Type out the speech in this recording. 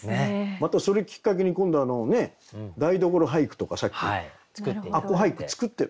またそれきっかけに今度台所俳句とかさっき吾子俳句作って。